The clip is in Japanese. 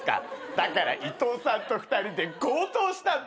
だから伊藤さんと２人で強盗したんだ。